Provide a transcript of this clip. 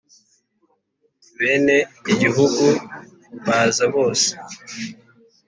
Bene igihugu baza bose